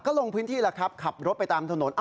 ก็ลงพื้นที่แล้วครับขับรถไปตามถนน